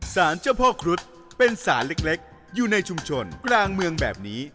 สารเจ้าพ่อครุฑเป็นสารเล็กอยู่ในชุมชนกลางเมืองแบบนี้